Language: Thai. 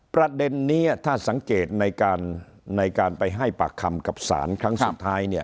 ประเด็นนี้ถ้าสังเกตในการไปให้ปากคำกับศาลครั้งสุดท้ายเนี่ย